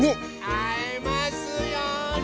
あえますように。